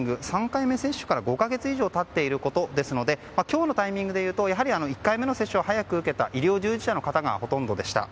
３回目接種から５か月以上経っていることですので今日のタイミングでいうとやはり１回目の接種を早く受けた医療従事者の方がほとんどでした。